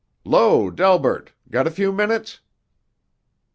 "'Lo, Delbert. Got a few minutes?"